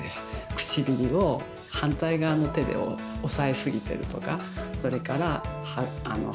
唇を反対側の手で押さえすぎてるとかそれから歯ブラシが痛いとかね。